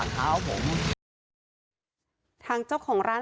มันก็เลยกลายเป็นว่าเหมือนกับยกพวกมาตีกัน